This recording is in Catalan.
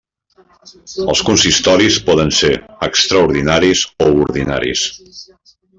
Els consistoris poden ser extraordinaris o ordinaris.